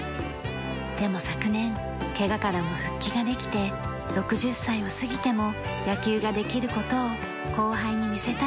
でも昨年けがからも復帰ができて６０歳を過ぎても野球ができる事を後輩に見せたいといいます。